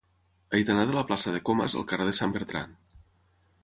He d'anar de la plaça de Comas al carrer de Sant Bertran.